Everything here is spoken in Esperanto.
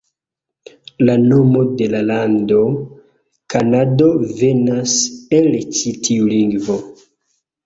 La nomo de la lando, Kanado, venas el ĉi tiu lingvo.